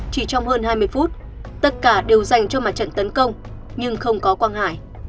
chỉ trong hơn hai mươi phút tất cả đều dành cho mặt trận tấn công nhưng không có quang hải